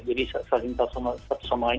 jadi saling satu sama lain